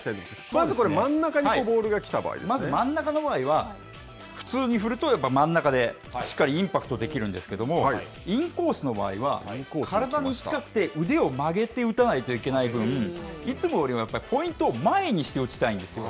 まずこれ、真ん中にボールが来たまず真ん中の場合は、普通に振ると真ん中でしっかりインパクトできるんですけれども、インコースの場合は、体に近くて腕を曲げて打たないといけない分、いつもよりもポイントを前にして打ちたいんですよ。